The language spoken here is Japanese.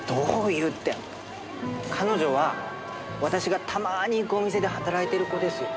彼女は私がたまに行くお店で働いてる子ですよ。